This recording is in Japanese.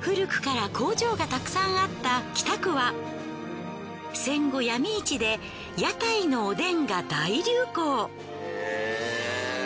古くから工場がたくさんあった北区は戦後闇市で屋台のおでんが大流行。